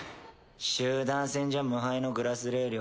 集団戦じゃ無敗のグラスレー寮。